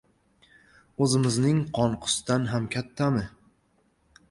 — O‘zimizning Qonqusdan ham kattami?